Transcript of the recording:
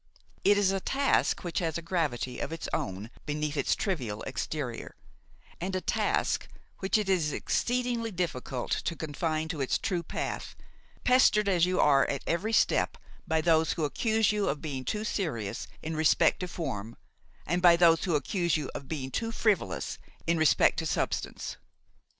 It is a task which has a gravity of its own beneath its trivial exterior, and a task which it is exceedingly difficult to confine to its true path, pestered as you are at every step by those who accuse you of being too serious in respect to form and by those who accuse you of being too frivolous in respect to substance.